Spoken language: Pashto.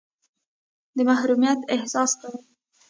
د محرومیت احساس کوئ.